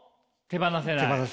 手放せない。